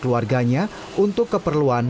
keluarganya untuk keperluan